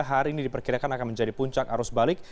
hari ini diperkirakan akan menjadi puncak arus balik